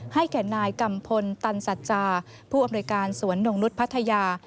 ให้แก่นายกัมพลตันสัจจาผู้อำนวยการสวนนงนุษย์พัทยา